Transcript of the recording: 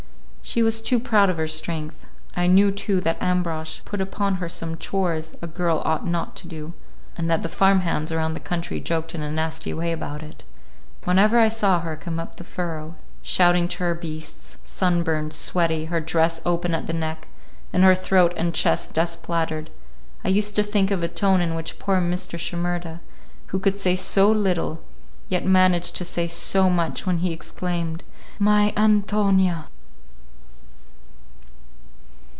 She was too proud of her strength. I knew, too, that Ambrosch put upon her some chores a girl ought not to do, and that the farmhands around the country joked in a nasty way about it. Whenever I saw her come up the furrow, shouting to her beasts, sunburned, sweaty, her dress open at the neck, and her throat and chest dust plastered, I used to think of the tone in which poor Mr. Shimerda, who could say so little, yet managed to say so much when he exclaimed, "My Án tonia!"